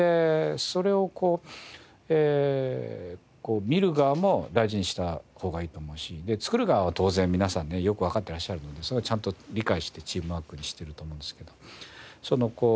それをこう見る側も大事にした方がいいと思うし作る側は当然皆さんねよくわかってらっしゃるのでそれをちゃんと理解してチームワークにしてると思うんですけど。